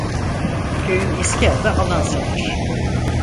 Köyün eski adı "Alansa"'dır.